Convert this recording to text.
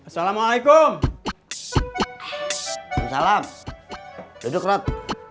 salam salam duduk rot